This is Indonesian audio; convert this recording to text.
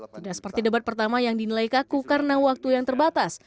tidak seperti debat pertama yang dinilai kaku karena waktu yang terbatas